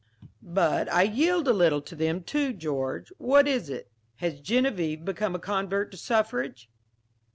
"But I yield a little to them, too, George. What is it? Has Genevieve become a convert to suffrage?"